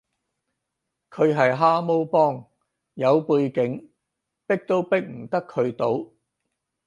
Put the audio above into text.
佢係蛤蟆幫，有背景，逼都逼唔得佢到